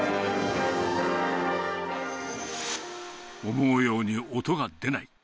思うように音が出ない。